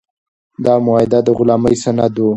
دا معاهده د غلامۍ سند و.